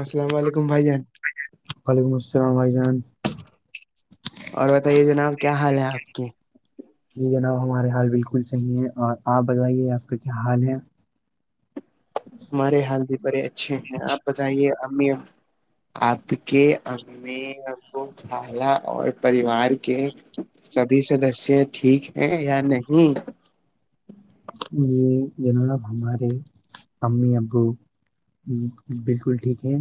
السلام علیکم بھائی جان وعلیکم السلام رھائی جان اور بتائیے جناب کیا حال ہے آپ کے جی جناب ہمارے حال بالکل صحیح ہے اور آپ بتائیے آپ کا کیا حال ہے ہمارے حال بھی بڑے اچھے ہیں آپ بتائیے امیر آپ کے ا میں آ کو کال اور پریوار کے سبھی سدسیہ ٹھیک ہے یا نہیں جی جناب ہمارے امی ابو بالکل ٹھیک ہے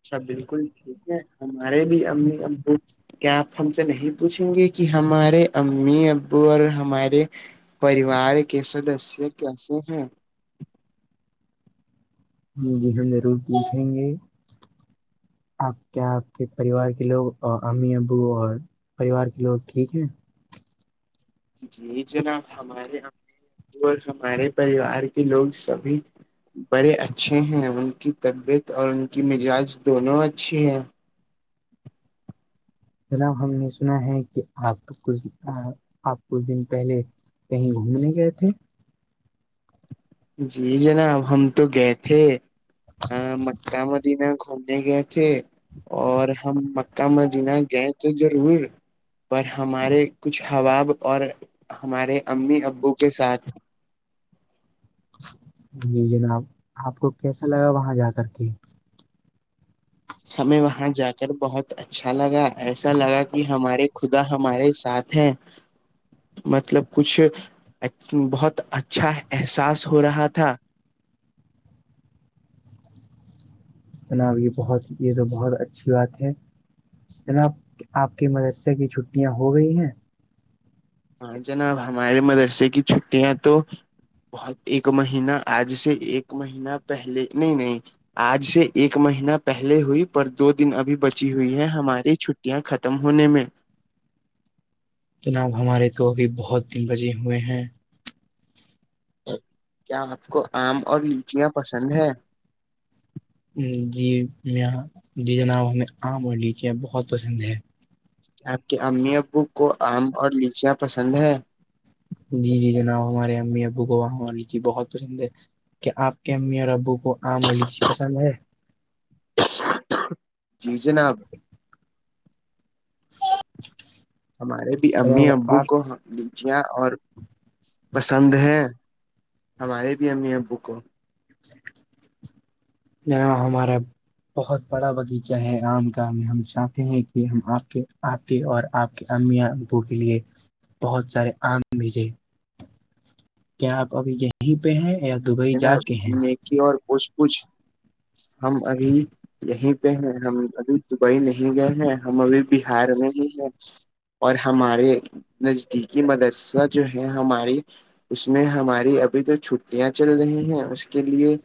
اچھا بالکل ٹھیک ہے ہمارے بھی امی امبو کیا آپ ہم سے نہیں پوچھیں گے کہ ہمارے امی ابو اور ہمارے پریوار کے سدسیہ کیسے ہیں جی ہم ضرور پوچھیں گے آپ کیا آپ کے پریوار کے لوگ امی ابو اور پریوار کے لوگ ٹھیک ہیں جی جناب ہمارے اور ہمارے پریوار کے لوگ سبھی بڑے اچھے ہیں ان کی طبیعت اور ان کی مزاج دونوں اچھے ہیں جناب ہم نے سنا ہے کہ آپ کچھ آپ کچھ دن پہلے کہیں گھومنے گئے تھے جی جناب ہم تو گئے تھے مککہ مدینہ گھومنے گئے تھے اور ہم مکہ مدینہ گئے تو ضرور پر ہمارے کچھ حواب اور ہمارے امی ابو کے ساتھ جی جناب آپ کو کیسا لگا وہاں جا کر کے ہمیں وہاں جا کر بہت اچھا لگا ایسا لگا کہ ہمارے خدا ہمارے ساتھ ہیں چ مطلب کچھ بہت اچھا احساس ہو رہا تھا جناب یہ بہت یہ تو بہت اچھی بات ہے جناب آپ کے مدرسے کی چھٹیاں ہو گئی ہیں ہاں جناب ہمارے مدرسے کی چھٹیاں تو بہت ایک مہینہ آج سے ایک مہین پہلے نہیں نہیں آج سے ایک مہین پہلے ہوئی پر دو دن ابھی بچی ہوئی ہے ہماری چھٹی یہاں ختم ہونے میں جناب ہمارے تو ابھی بہت دن بجے ہوئے ہیں کیا آپ کو آم اور لیچیاں پسند ہیں جی یہاں جی جناب ہمیں آم اور لیچیا بہت پسند ہے آپ کے امی ابو کو آم اور لیچیاں پسند ہے جی جی جناب ہمارے امی ابو گوا ہم جی بہت پسند ہے کیا آپ کے امیاں ربو کو آم اور لچی پسند ہے جی جناب س ہمارے بھی امی ابو کواں لیچیا اور پسند ہے ہمارے بھی امی ا بوکوں ج ہم ہمارے بہت بڑا باغیچہ ہے رام گڑاہ میں ہم چاہتے ہیں کہ ہم آپ کے آ اور آپ کے امی ابو کے لیے بہت سارے آم بھیجے کیا آپ ابھی یہیں پہ ہیں یا دبئی جا جناب کے ہیں نیکی اور پوچھ پوچھ ہم ابھی یہیں پہ ہیں ہم ابھی دبئی نہیں گئے ہیں ہم ابھی بہار میں ہی ہیں اور ہمارے نزدیکی مدرسہ جو ہے ہمارے اس میں ہماری ابھی تو چھٹیاں چل رہی ہیں اس کے لیے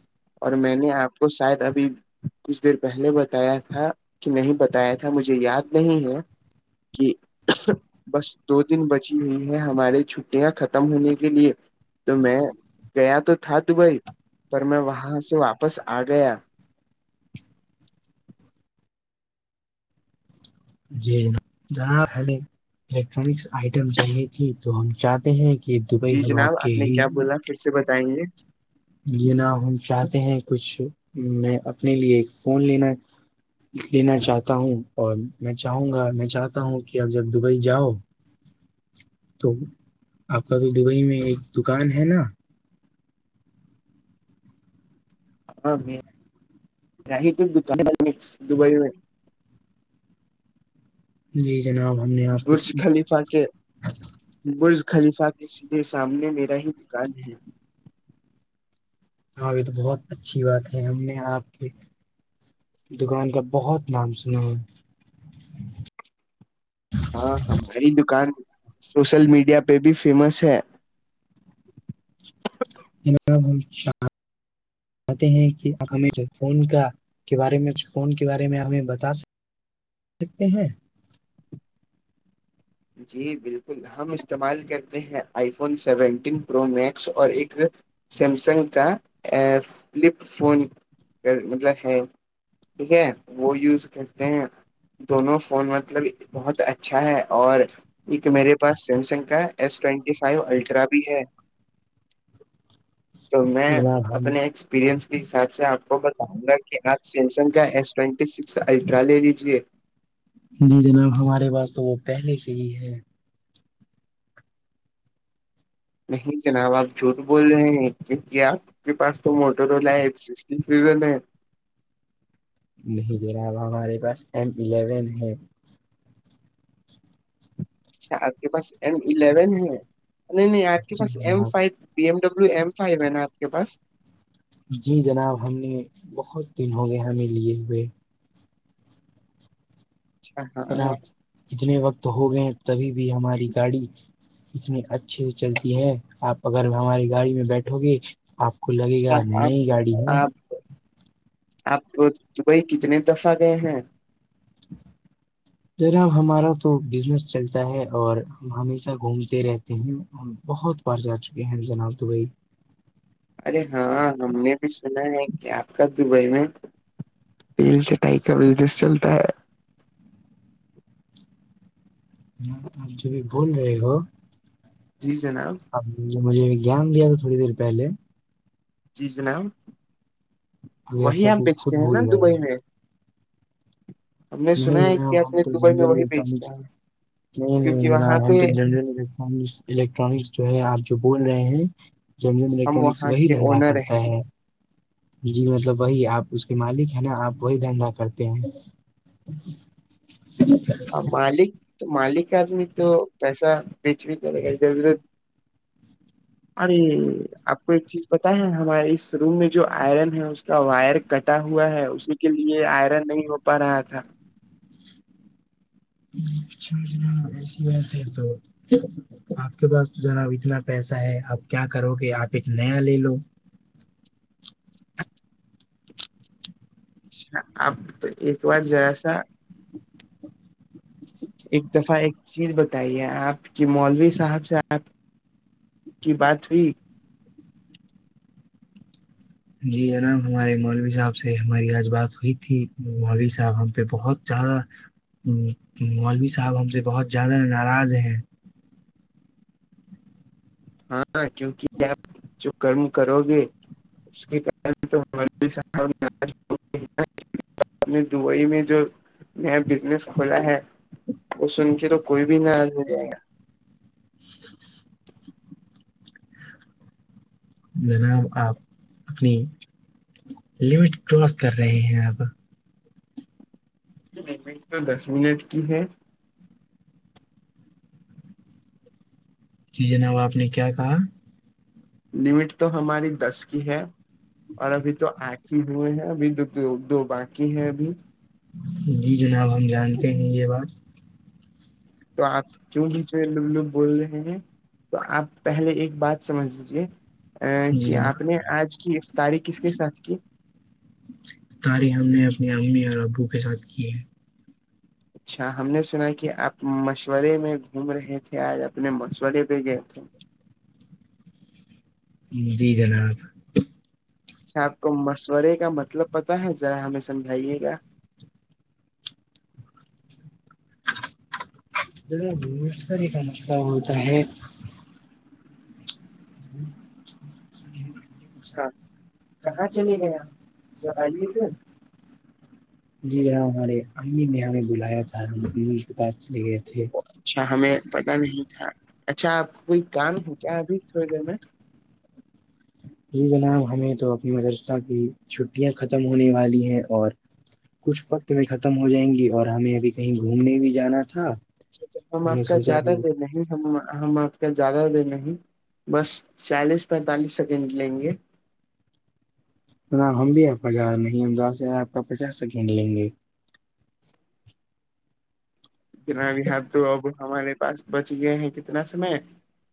اور میں نے آپ کو شاید ابھی کچھ دیر پہلے بتایا تھا کہ نہیں بتایا تھا مجھے یاد نہیں ہے کہ [unintelligible] بس دو دن بچی ہوئی ہے ہماری چھٹیاں ختم ہونے کے لیے تو میں گیا تو تھا دبئی پر میں وہاں سے واپس آ گیا جی ذرا ہملے الیکٹرانکس آئٹم چاہیے تھی تو ہم چاہتے ہیں کہ دبئی جی ہم آپ جناب کے نے ہی کیا بولا پھر سے بتائیں گے یہ نہا ہم چاہتے ہیں کچھ میں اپنے لیے ایک فون لینا لینا چاہتا ہوں اور میں چاہوں گا میں چاہتا ہوں کہ آب جب دبئی جاؤ [inaudible] تو آپ کا تو دبئی میں ایک دکان ہے نا ہاں رہ ت دان دبئی میں جی جناب ہم نے آپ کے [inaudible] برج خلیفہ کے سیدھے سامنے میرا ہی دکان ہے ہاں یہ تو بہت اچھی بات ہے ہم نے آپ کے دکان کا بہت نام سنا ہے ہاں ہماری دکان سوشل میڈیا پہ بھی فیمس ہے اب ہم چتے ہیں کہ ہمیں جو فون کا کے بارے میںھ فون کے بارے میں ہمیں بتا سکتے ہیں جی بالکل ہم استعمال کرتے ہیں iPhone seventeen pro max اور ایک سیمسنگ کا فلپ فون مطلب ہے ٹھیک ہے وہ یوز کرتے ہیں دونوں فون مطلب بہت اچھا ہے اور ایک میرے پاس سیمسنگ کا ایس ٹوینٹی فائیو الٹرا بھی ہے تو میں جناب ہم اپنے ایک پرینس کے حساب سے آپ کو بتاؤ گا کہ آپ سیمسنگ کا ایس ٹ سکس الٹرا لے لیجے جی جناب ہمارے پاس تو وہ پہلے سے ہی ہے نہیں جناب آپ جھوٹ بول رہے ہیں کہ کیا ہمارے پاس تو موٹرولا ایس فیفٹین نہیں جناب ہمارے پاس ایم الیون ہے اچھا آپ کے پاس ایم الیون ہے نہیں نہیں آپ کے جی پاس ایم جناب five B M W M five ہے ناپ کے پاس جی جناب ہم نے بہت دن ہو گئے ہمیں لیے ہوئے اچھا ن ہاں جتنے وقت ہو گئے تبھی بھی ہماری گاڑی اتنی اچھے سے چلتی ہے آپ اگر ہماری گاڑی میں بیٹھو گے آپ کو لگے گا اچھا نئی گاڑی آپ ہے آپ آپ دبئی کتنے دفعہ گئے ہیں را ہمارا تو بزنس چلتا ہے اور ہم ہمیشہ گھومتے رہتے ہیں بہت پرھر جا چکے ہیں جناب دبئی ارے ہاں ہم نے بھی سنا ہے کیا آپ کا دبئی میں پل سے ٹائ کا بزنس چلتا ہے م آپ ج بھی بول رہے ہو جی جناب ج مجھے گیانیا تھا تھوڑی دیر پہے جی جناب ابھی آپ وہی سب ہم بیچتے خود ہیں بھول نا گئے دبئی میں ہم نے نہیں سنا ہے جناب کہ ہم اپنے تو دبئی جنزل میں وہی ات نہیں بیچتے [inaudible] ہیں نہیں نہیں کیونکہ وہاں جناب ہم پہ تو ج [inaudible] الیکٹرانکس جو ہے آپ جو بول رہے ہیں جنرم ہم الیکٹرانکس وہاں وہی کے دھندا اونر کرتا ہیں ہے جی مطلب وہی آپ اس کے مالک ہیں نا آپ وہی دھندا کرتے ہیں اا [unintelligible] ہ مالک مالک آدمی تو پیسہ بیچ بھی لے گا ادھر ادھر [inaudible] ارے آپ کو ایک چیز پت ہے ہمارے اس روم میں جو آئرن ہے اس کا وائر کٹا ہوا ہے اسی کے لیے آئرن نہیں ہو پا رہا تھا چاوجنا ایسی بات ہے تو آپ کے پاس تو جناب اتنا پیسہ ہے اپ کیا کرو گے آپ ایک نیا لے لو اچ آپ تو ایک بار جذرا سا ایک دفعہ ایک چیز بتائیے آپ کی مولوی صحب سے آپ کی بات ہوئی جی جناب ہمارے مولوی صاحب سے ہماری آج بات ہوئی تھی مولوی صاحب ہم پہ بہت زیادہ مولوی صاحب ہم سے بہت زیادہ ناراض ہیں ہاں کیونکہ آپ جو کرم کرو گے اس کے تو اپ نے دبئی میں جو نیا بزنس کھولا ہے وہ سن کے تو کوئی بھی ناراض ہو جائے گا [inaudible] جناب آپ اپنی لمٹ کراس کر رہے ہیں اب یہ لمٹ تو دس منٹ کی ہے ج جناب آپ نے کیا کہا لمٹ تو ہماری دس کی ہے اور ابھی تو آنکھ ہی ہوئے ہیں ابھی دو دو دو باقی ہیں ابھی جی جناب ہم جانتے ہیں یہ بات تو آپ کیوں پچے لوگ لوگ بول رہے ہیں تو آپ پہلے ایک بات سمجھ لیجیے ا جی کہ آپ جناب نے آج کی تاریخ کس کے ساتھ کی تاری ہم نے اپنی امی اور ابو کے ساتھ کی ہے اچھا ہم نے سنا کہ آپ مشورے میں گھوم رہے تھے آج اپنے مشورے پہ گئے تھے جی جناب اچھا آپ کو مشورے کا مطلب پتا ہے ذرا ہمیں سمجھائیے گا جاوزگاری کا مسئلہ ہوتا ہے اچھا کہاں چلے گیا بتائیے کیا جی جنا ہمارے امی نے ہمیں بلایا تھا ہم اس کے پاس چلے گئے تھے اچھا ہمیں پتا نہیں تھا اچھا آپ کا کوئی کام ہو کیا ابھی تھوڑی دیر میں جی جناب ہمیں تو اپنی مدرسہ کی چھٹیاں ختم ہونے والی ہیں اور کچھ وقت میں ختم ہو جائیں گی اور ہمیں ابھی کہیں گھومنے بھی جانا تھا اچا تو ہم آپ نے کا سوچا زیادہ کہ دینا ہم ہم آپ کا زیادہ دیر نہیں بس چالیس پینتالیس سیکنڈ لیں گے جناب ہم بھی آپ کا ج نہیں ہم داس زار آپ کا پچاس سیکنڈ لیں گے جنا بھی ہاں تو اب ہمارے پاس بچ گئے ہیں کتنا سمے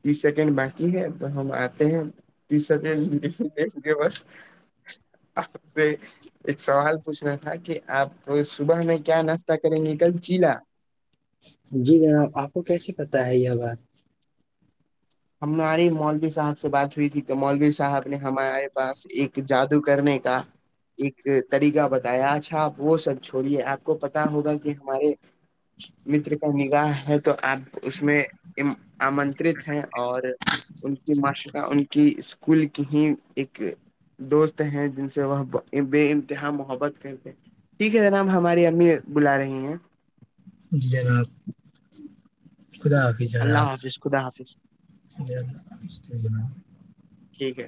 تیس سیکنڈ باقی ہے تو ہم آتے ہیں ت سب ل ل ل گے بسے ایک سوال پوچھنا تھا کہ آپ صبح میں کیا ناشتہ کریں گے کل چیلا جی جناب آپ کو کیسے پتا ہے یہ بات ہماری مولوی صاحب سے بات ہوئی تھی تو مولوی صاحب نے ہمارے پاس ایک جادو کرنے کا ایک طریقہ بتایا اچھا آپ وہ سب چھوڑیے آپ کو پتا ہوگا کہ ہمارے متر کا نگاہ ہے تو آپ اس میں آمنترت ہیں اور ان کی معاشرہ ان کی اسکول کی ہی ایک دوست ہیں جن سے وہ بے انتہا محبت کرتے ٹھیک ہے جناب ہماری امی بلا رہی ہیں جی جناب خدا یک ہے اللہ حافظ خدا حافظ ج جنا [unintelligible] ٹھیک ہے